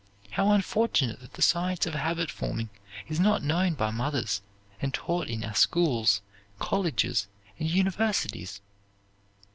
How unfortunate that the science of habit forming is not known by mothers, and taught in our schools, colleges, and universities!